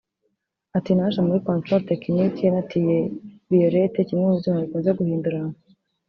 Ati “Naje muri controle technique natiye “biyorete” (kimwe mu byuma bikunze guhinduranywa)